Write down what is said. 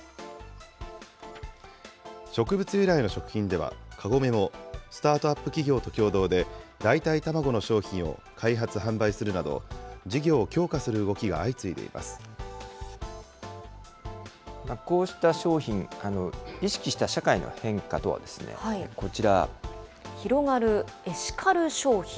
植物由来の食品では、カゴメのスタートアップ企業と共同で代替卵の商品を開発・販売するなど、事業を強化する動きが相次いでいまこうした商品、意識した社会広がるエシカル消費。